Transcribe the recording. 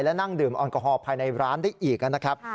และนั่งดื่มแอลกอฮอลภายในร้านได้อีกนะครับ